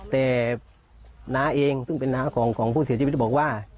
แต่น้าเองซึ่งเป็นน้าของผู้เสียชีวิตบอกว่า